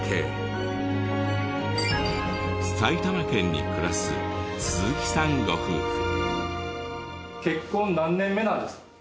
埼玉県に暮らす鈴木さんご夫婦。